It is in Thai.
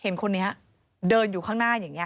เห็นคนนี้เดินอยู่ข้างหน้าอย่างนี้